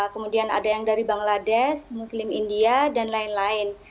kemudian ada yang dari bangladesh muslim india dan lain lain